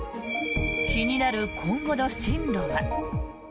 気になる今後の進路は。